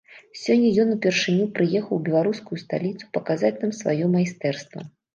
Сёння ён упершыню прыехаў у беларускую сталіцу паказаць нам сваё майстэрства.